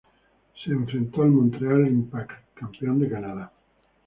Se enfrentó al Montreal Impact, campeón de Canadá.